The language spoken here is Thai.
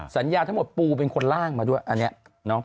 สัญญาทั้งหมดปูเป็นคนล่างมาด้วยอันนี้เนาะ